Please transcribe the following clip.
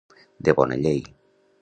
De bona llei.